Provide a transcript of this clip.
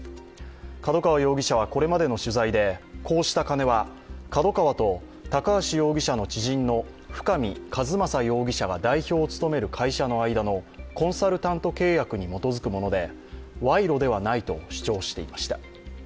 角川容疑者は、これまでの取材でこうした金はＫＡＤＯＫＡＷＡと高橋容疑者の知人の深見和政容疑者が代表を務める会社の間のコンサルタント契約に基づくもので賄賂ではないと主張していました。